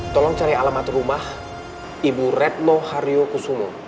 tolong cari alamat rumah ibu redloharyo kusumo